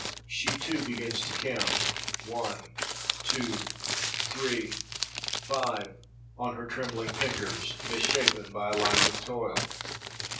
She too begins to count—one, two, three, five—on her trembling fingers, misshapen by a life of toil.